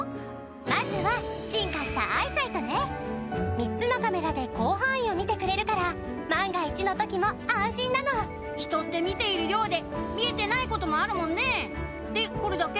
３つのカメラで広範囲を見てくれるから万が一の時も安心なの人って見ているようで見えてないこともあるもんねぇでこれだけ？